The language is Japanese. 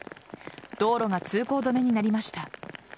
道路が通行止めになりました。